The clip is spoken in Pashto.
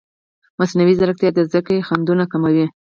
مصنوعي ځیرکتیا د زده کړې خنډونه کموي.